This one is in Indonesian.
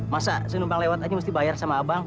masa penumpang lewat aja mesti bayar sama abang